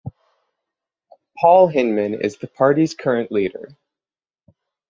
Paul Hinman is the party’s current leader.